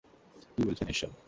কি বলছেন এইসব!